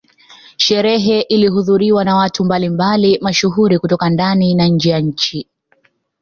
Sherehe ilihudhuriwa na watu mbali mbali mashuhuri kutoka ndani na nje ya nchini